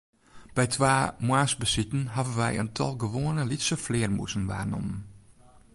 By twa moarnsbesiten hawwe wy in tal gewoane lytse flearmûzen waarnommen.